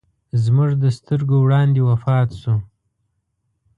زموږ د سترګو وړاندې وفات سو.